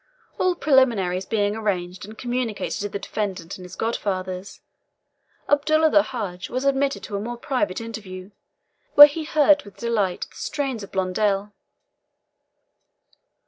All preliminaries being arranged and communicated to the defendant and his godfathers, Abdullah the Hadgi was admitted to a more private interview, where he heard with delight the strains of Blondel.